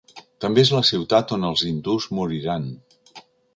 També és la ciutat on els hindús moriran.